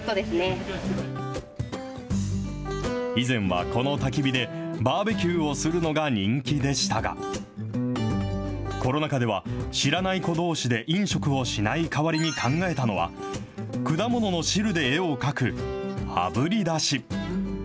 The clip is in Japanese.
以前はこのたき火でバーベキューをするのが人気でしたが、コロナ禍では知らない子どうしで飲食をしない代わりに考えたのは、果物の汁で絵を描く、あぶり出し。